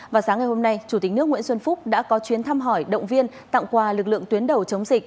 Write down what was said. và sáng ngày hôm nay chủ tịch nước nguyễn xuân phúc đã có chuyến thăm hỏi động viên tặng quà lực lượng tuyến đầu chống dịch